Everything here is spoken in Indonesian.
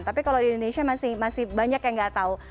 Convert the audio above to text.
tapi kalau di indonesia masih banyak yang nggak tahu